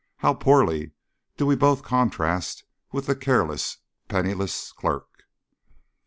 How poorly do we both contrast with the careless, penniless clerk!